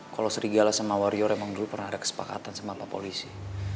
kalau serigala sama warrior emang dulu pernah ada kesepakatan sama pak polisi